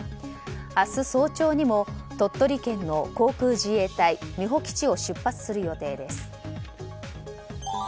明日早朝にも鳥取県の航空自衛隊・美保基地を出発する予定です。